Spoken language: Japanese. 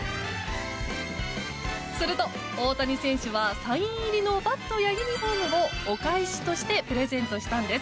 すると、大谷選手はサイン入りのバットやユニホームをお返しとしてプレゼントしたんです。